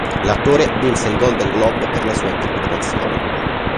L'attore vinse il Golden Globe per la sua interpretazione.